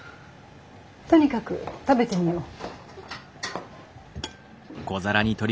とにかく食べてみよう。